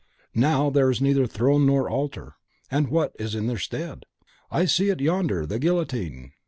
Now there is neither throne nor altar; and what is in their stead? I see it yonder the GUILLOTINE!